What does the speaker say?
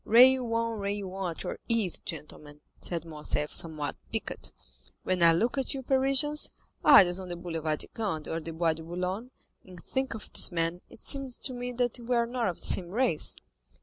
"Rail on, rail on at your ease, gentlemen," said Morcerf, somewhat piqued. "When I look at you Parisians, idlers on the Boulevard de Gand or the Bois de Boulogne, and think of this man, it seems to me we are not of the same race."